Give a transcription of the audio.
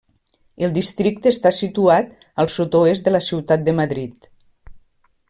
El districte està situat al sud-oest de la ciutat de Madrid.